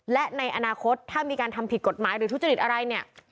และในอนาคตถ้ามีการทำผิดกฎหมายหรือทุจริตอะไรเนี่ย